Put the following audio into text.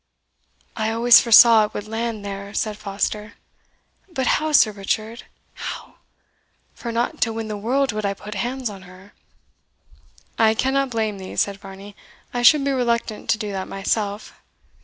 "I always foresaw it would land there!" said Foster. "But how, Sir Richard, how? for not to win the world would I put hands on her." "I cannot blame thee," said Varney; "I should be reluctant to do that myself.